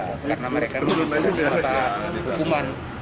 karena mereka ini bukan mata hukuman